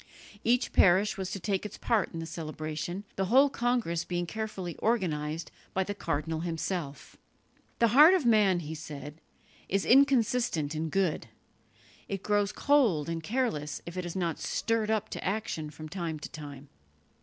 Each parish was to take its part in the celebration, the whole congress being carefully organized by the cardinal himself. "The heart of man," he said, "is inconstant in good; it grows cold and careless if it is not stirred up to action from time to time."